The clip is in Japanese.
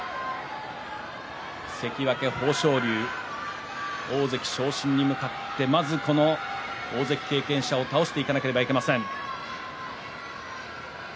関脇豊昇龍大関昇進に向かってまずこの大関経験者を倒していかなければいけません。